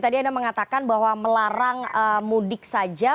tadi anda mengatakan bahwa melarang mudik saja